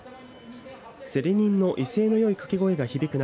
競り人の威勢のよい掛け声が響く中